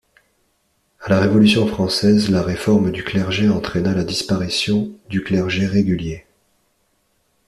À la Révolution française, la réforme du clergé entraîna la disparition du clergé régulier.